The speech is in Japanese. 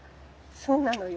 そうなのよ。